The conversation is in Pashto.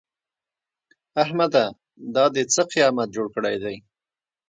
احمده! دا دې څه قيامت جوړ کړی دی؟